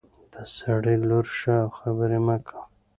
د سړي لور شه او خبرې مه کوه.